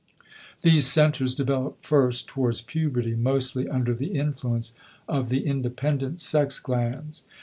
These centers develop first towards puberty mostly under the influence of the independent sex glands.